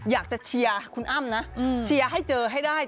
อยากจะเชียร์คุณอ้ำนะเชียร์ให้เจอให้ได้